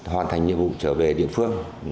hoàn thành nhiệm vụ trở về địa phương